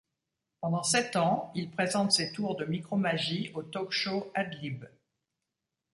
Pendant sept ans, il présente ses tours de micromagie au talk-show Ad Lib.